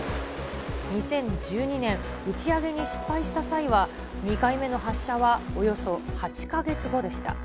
２０１２年、打ち上げに失敗した際は、２回目の発射はおよそ８か月後でした。